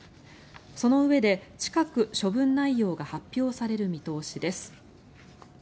そのうえで、近く処分内容が発表される見通しです。